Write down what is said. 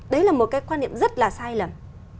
đấy là một cái quan niệm rất là sai lầm